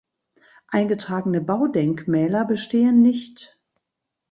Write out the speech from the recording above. Eingetragene Baudenkmäler bestehen nicht.